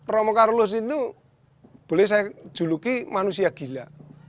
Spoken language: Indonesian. romo carlos itu boleh saya juluki manusia gila